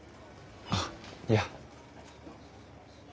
あっいや。